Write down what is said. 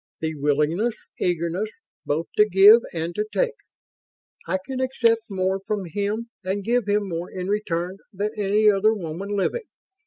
The willingness eagerness both to give and to take? I can accept more from him, and give him more in return, than any other woman living.